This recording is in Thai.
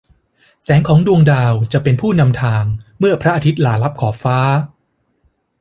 แสงของดวงดาวจะเป็นผู้นำทางเมื่อพระอาทิตย์ลาลับขอบฟ้า